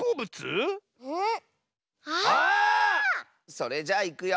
それじゃいくよ。